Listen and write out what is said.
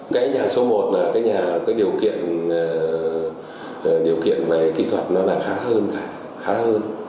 cái nhà số một là cái nhà cái điều kiện điều kiện về kỹ thuật nó đạt khá hơn khá hơn